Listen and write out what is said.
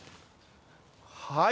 はい。